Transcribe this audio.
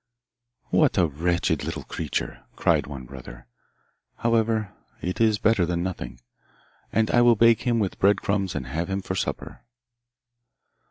'What a wretched little creature!' cried one brother. 'However, it is better than nothing, and I will bake him with bread crumbs and have him for supper.